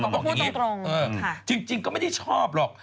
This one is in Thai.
พูดตรงจริงก็ไม่ได้ชอบหรอก